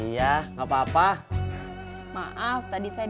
iya nggak papa papa maaf tadi saya dari rumah pak rt soalnya minta dilengkapin